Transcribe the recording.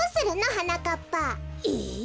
はなかっぱ。え。